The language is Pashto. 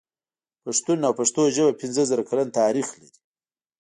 پښتون او پښتو ژبه پنځه زره کلن تاريخ لري.